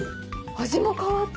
味も変わった！